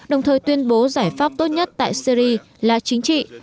đồng thời tuyên bố giải pháp tốt nhất tại syri là chính trị